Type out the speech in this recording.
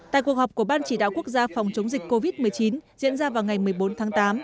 tại cuộc họp của ban chỉ đạo quốc gia phòng chống dịch covid một mươi chín diễn ra vào ngày một mươi bốn tháng tám